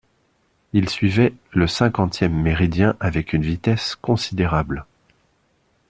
Il suivait le cinquantième méridien avec une vitesse considérable.